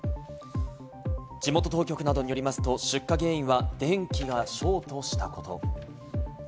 地元当局などによりますと、出火原因は電気がショートしたこと。